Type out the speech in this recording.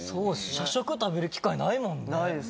社食食べる機会ないもんね。